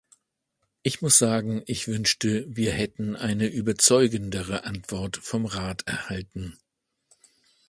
Ich muss sagen, ich wünschte, wir hätten eine überzeugendere Antwort vom Rat erhalten.